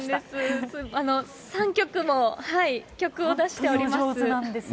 ３曲も曲を出しております。